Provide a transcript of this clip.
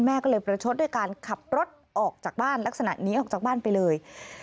แม่ก็เลยประชดด้วยการขับรถออกจากบ้านลักษณะนี้ออกจากบ้านไปเลย